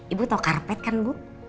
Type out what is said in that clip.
ibu tahu karpet kan bu